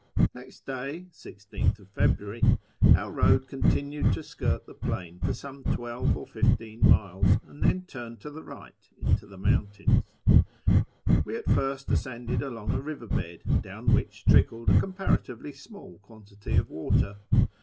Next day (16th February) our road continued to skirt the plain for some twelve or fifteen miles, and then turned to the right into the mountains. We at first ascended along a river bed, down which trickled a comparatively small quantity of water.